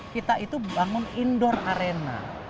kita itu bangun indoor arena